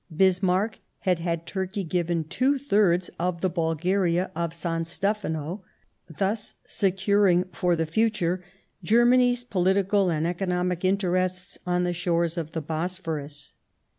Bismarck had had Turkey given two thirds of the Bulgaria of San Stefano, thus securing for the future Germany's pohtical and economic interests on the shores of the Bosphorus.